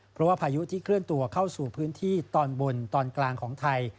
เพราะว่าพายุที่เคลื่อนตัวเข้าสู่พื้นที่ตอนบนตอนกลางของไทย